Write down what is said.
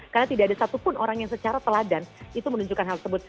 karena tidak ada satupun orang yang secara teladan itu menunjukkan hal tersebut